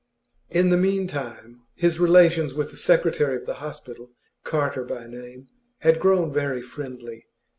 In the meantime his relations with the secretary of the hospital, Carter by name, had grown very friendly.